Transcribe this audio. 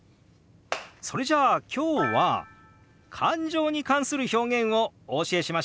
それじゃあ今日は感情に関する表現をお教えしましょう！